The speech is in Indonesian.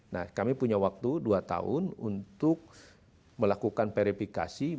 nah kami punya waktu dua tahun untuk melakukan verifikasi